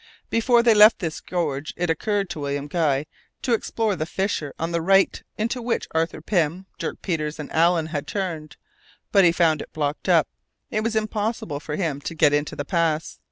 Before they left this gorge, it occurred to William Guy to explore the fissure on the right into which Arthur Pym, Dirk Peters, and Allen had turned, but he found it blocked up; it was impossible for him to get into the pass.